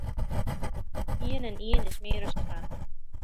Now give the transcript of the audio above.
Ien en ien is mear as twa.